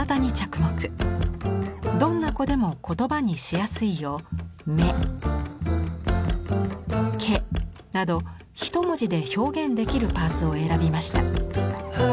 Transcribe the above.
どんな子でも言葉にしやすいようなど１文字で表現できるパーツを選びました。